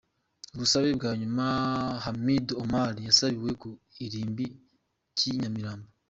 Ubusabe bwa nyuma, Hamidou Omar yasabiwe ku irimbi ry’i Nyamirambo